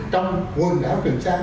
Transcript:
trong quân đảo trường sang